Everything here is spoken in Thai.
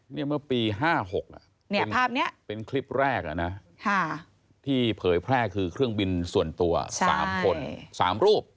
เมื่อปี๕๖ภาพนี้เป็นคลิปแรกนะที่เผยแพร่คือเครื่องบินส่วนตัว๓คน๓รูป